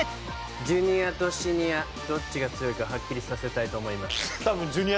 ジュニアとシニアどっちが強いかはっきりさせたいと思います。